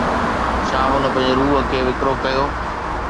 ڇا هن پنهنجي روح کي وڪرو ڪيو؟